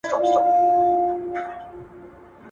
آیا اورېدل د ذهن لپاره ارام دي؟